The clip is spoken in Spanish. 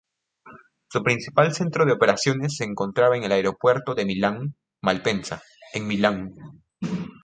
Su principal centro de operaciones se concentraba en el Aeropuerto de Milán-Malpensa, en Milán.